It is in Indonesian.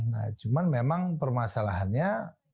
nah cuman memang permasalahannya